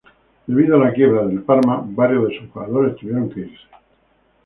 Debido a la quiebra del Parma, varios de sus jugadores tuvieron que irse.